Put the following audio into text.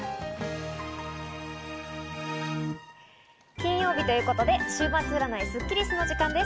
金曜日ということで週末占いスッキりすの時間です。